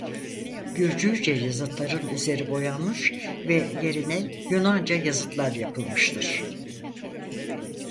Gürcüce yazıtların üzeri boyanmış ve yerine Yunanca yazıtlar yapılmıştır.